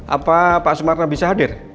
apa pak sumarna bisa hadir